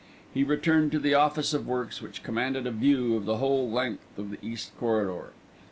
He returned to the Office of Works which commanded a view of the whole length of the East Corridor.